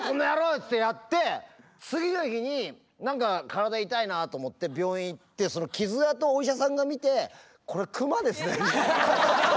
っつってやって次の日に何か体痛いなと思って病院行ってその傷痕をお医者さんが診て「これクマですね」。